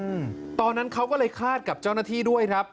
อืมตอนนั้นเขาก็เลยคาดกับเจ้าหน้าที่ด้วยครับ